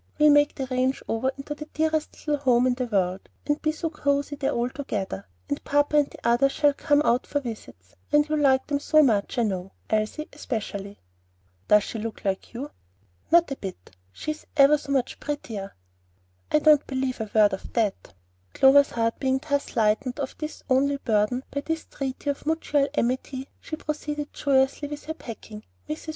We'll make the ranch over into the dearest little home in the world, and be so cosey there all together, and papa and the others shall come out for visits; and you'll like them so much, I know, Elsie especially." "Does she look like you?" "Not a bit; she's ever so much prettier." "I don't believe a word of that" Clover's heart being thus lightened of its only burden by this treaty of mutual amity, she proceeded joyously with her packing. Mrs.